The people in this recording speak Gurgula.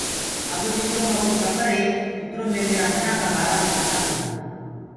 اب جِترو مڪوُ کبر هي اُترو مي ميرآ ٻڏآ ڪآ بآرآ مي ٻتآنٚدو هوٚنٚ۔